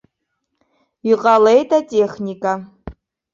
Иҟалеит атехника.